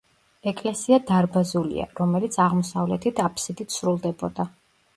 ეკლესია დარბაზულია, რომელიც აღმოსავლეთით აფსიდით სრულდებოდა.